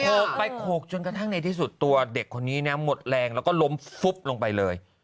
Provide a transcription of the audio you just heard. ไปโขกจนกระทั่งในที่สุดตัวเด็กคนนี้นะหมดแรงแล้วก็ล้มฟุบลงไปเลย